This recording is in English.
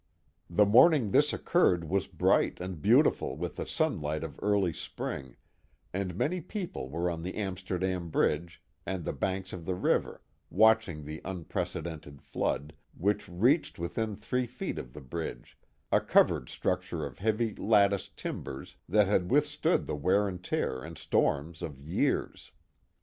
The morning this occurred was bright and beautiful with the sunlight of early spring, and many people were on the Am sterdam Bridge and the banks of the river, watching the unprecedented flood, which reached within three feet of the bridge, a covered structure of heavy, latticed timbers, that had withstood the wear and tear and storms of years.